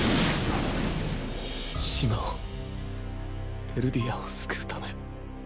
島をエルディアを救うため。